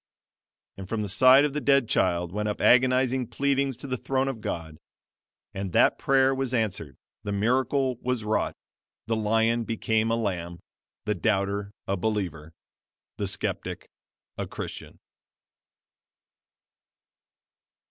And from the side of the dead child went up agonizing pleadings to the throne of God. And that prayer was answered the miracle was wrought the lion became a lamb the doubter a believer the skeptic a Christian!